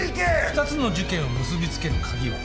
二つの事件を結び付ける鍵は。